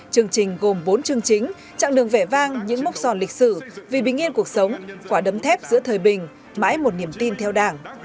chương trình gồm bốn chương chính trạng đường vẻ vang những mốc son lịch sử vì bình yên cuộc sống quả đấm thép giữa thời bình mãi một niềm tin theo đảng